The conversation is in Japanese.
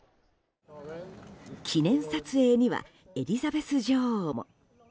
記念撮影にはエリザベス女王も。